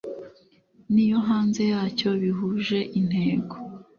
N iyo hanze yacyo bihuje intego